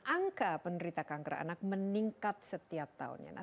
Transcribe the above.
angka penderita kanker anak meningkat setiap tahunnya